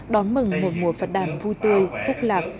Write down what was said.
đón mừng một mùa phật đàn vui tươi phúc lạc